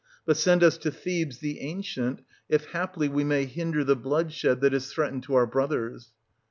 But send us to Thebes the 1770 ancient, if haply we may hinder the bloodshed that is threatened to our brothers.